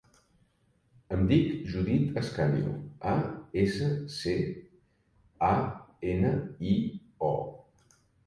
Em dic Judith Ascanio: a, essa, ce, a, ena, i, o.